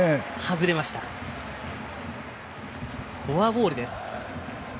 フォアボールです。